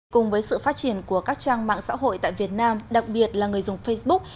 cùng với sự phát triển của các trang mạng xã hội tại việt nam đặc biệt là người dùng facebook